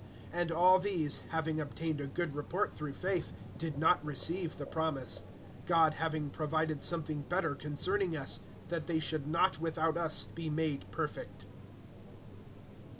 (39)And all these, having obtained a good report through faith, did not receive the promise; (40)God having provided something better concerning us, that they should not without us be made perfect.